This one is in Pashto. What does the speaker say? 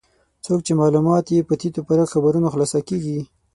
څوک چې معلومات یې په تیت و پرک خبرونو خلاصه کېږي.